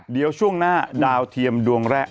เดี๋ยวช่วงหน้าดาวเทียมดวงแรก